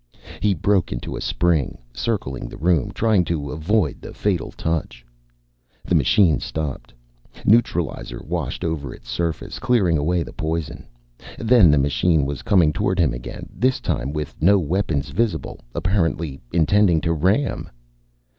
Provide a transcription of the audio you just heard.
He broke into a spring, circling the room, trying to avoid the fatal touch. The machine stopped. Neutralizer washed over its surface, clearing away the poison. Then the machine was coming toward him again, this time with no weapons visible, apparently intending to ram.